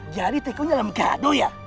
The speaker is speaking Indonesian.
jadi teko dalam kado ya